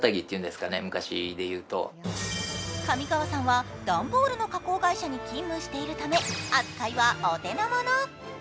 上川さんは段ボールの加工会社に勤務しているため扱いはお手の物。